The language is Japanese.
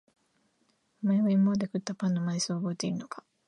お前は今まで食ったパンの枚数を覚えているのか？